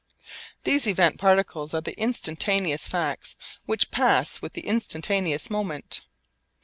These event particles are the instantaneous facts which pass with the instantaneous moment.